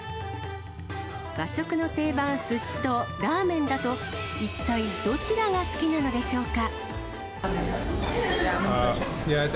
和食の定番、すしと、ラーメンだと、一体どちらが好きなのでしょうか。